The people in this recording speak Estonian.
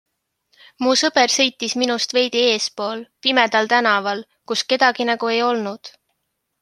Mu sõber sõitis minust veidi eespool, pimedal tänaval, kus kedagi nagu ei olnud.